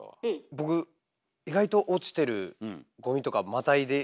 僕意外と落ちてるゴミとかまたいでしまうタイプ。